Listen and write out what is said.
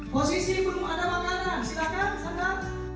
posisi belum ada makanan silakan sanggar